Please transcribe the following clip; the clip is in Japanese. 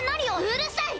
うるさい！